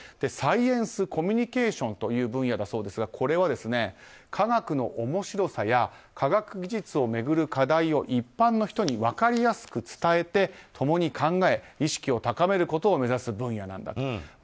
サイエンス・コミュニケーションという分野だそうですがこれは、科学の面白さや科学技術を巡る課題を一般の人に分かりやすく伝えて共に考え、意識を高めることを目指す分野だと。